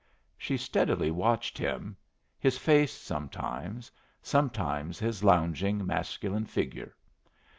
She steadily watched him his face sometimes, sometimes his lounging, masculine figure.